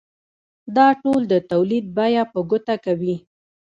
دا ټول د تولید بیه په ګوته کوي